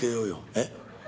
「えっ？」。